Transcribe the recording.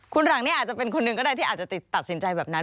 หลังนี้อาจจะเป็นคนหนึ่งก็ได้ที่อาจจะติดตัดสินใจแบบนั้น